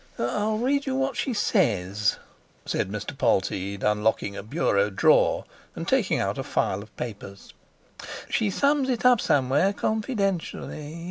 "I'll read you what she says," said Mr. Polteed, unlocking a bureau drawer and taking out a file of papers; "she sums it up somewhere confidentially.